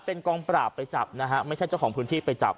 เป็นกองปราบไปจับนะฮะไม่ใช่เจ้าของพื้นที่ไปจับ